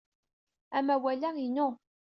Amawal-a inu.